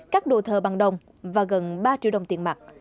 các đồ thờ bằng đồng và gần ba triệu đồng tiền mặt